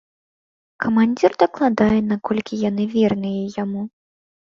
Камандзір дакладае, наколькі яны верныя яму.